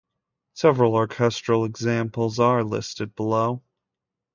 Several orchestral examples are listed below.